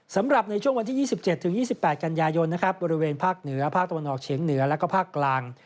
สำหรับในช่วงวันที่๒๗๒๘กันยายนนะครับบริเวณภาคเหนือภาคตะวันออกเฉียงเหนือและภาคกลาง